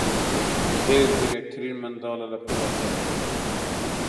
کێ زیرەکترین منداڵە لە پۆلەکەت؟